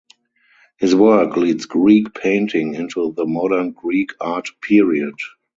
His work leads Greek painting into the Modern Greek art period.